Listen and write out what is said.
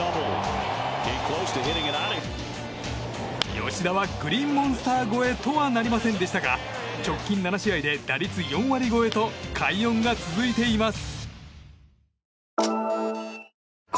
吉田はグリーンモンスター越えとはなりませんでしたが直近７試合で打率４割超えと快音が続いています。